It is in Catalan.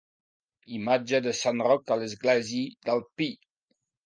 Imatge de Sant Roc a l'Església del Pi.